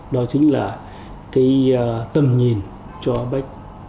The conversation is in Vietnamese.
đó chính là cái tầm nhìn cho apec